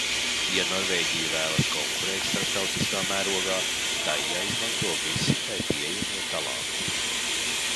Ja Norvēģija vēlas konkurēt starptautiskā mērogā, tai jāizmanto visi tai pieejamie talanti.